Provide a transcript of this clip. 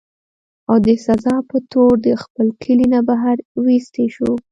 او د سزا پۀ طور د خپل کلي نه بهر اوويستی شو